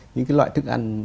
những cái loại thức ăn